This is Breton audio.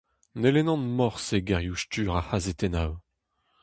Ne lennan morse gerioù-stur ar c'hazetennoù.